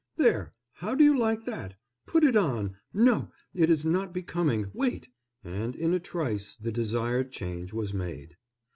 "There, how do you like that?—put it on—no, it is not becoming—wait!" and in a trice the desired change was made.